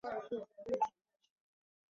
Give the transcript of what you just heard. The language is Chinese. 祖父是台湾人。